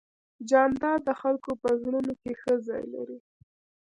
جانداد د خلکو په زړونو کې ښه ځای لري.